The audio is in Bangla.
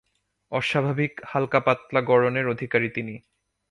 অস্বাভাবিক হাল্কা-পাতলা গড়নের অধিকারী তিনি।